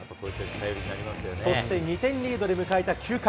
そして２点リードで迎えた９回。